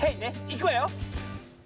いくわよ！